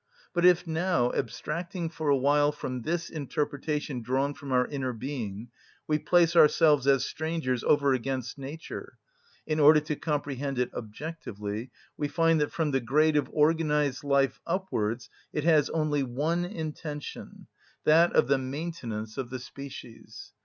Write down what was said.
But if now, abstracting for a while from this interpretation drawn from our inner being, we place ourselves as strangers over against nature, in order to comprehend it objectively, we find that from the grade of organised life upwards it has only one intention—that of the maintenance of the species.